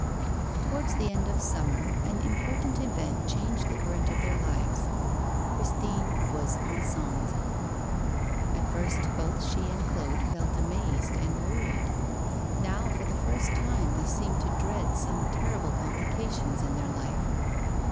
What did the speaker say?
Towards the end of the summer, an important event changed the current of their lives. Christine was enceinte. At first, both she and Claude felt amazed and worried. Now for the first time they seemed to dread some terrible complications in their life.